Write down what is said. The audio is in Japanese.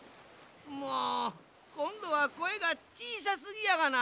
もうこんどはこえがちいさすぎやがな。